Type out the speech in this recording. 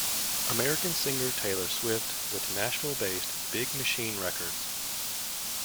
American singer Taylor Swift with Nashville-based Big Machine Records.